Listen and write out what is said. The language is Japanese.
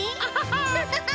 ハハハッ！